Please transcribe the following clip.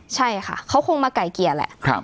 ใช่ค่ะเขาคงมาไก่เกลี่ยแหละ